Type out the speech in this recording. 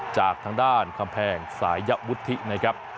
จากทางด้านคำแพงสายวุฒินะครับ